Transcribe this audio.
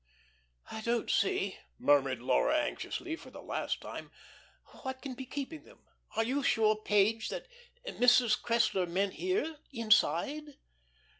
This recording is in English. "I don't see," murmured Laura anxiously for the last time, "what can be keeping them. Are you sure Page that Mrs. Cressler meant here inside?"